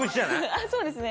あっそうですね。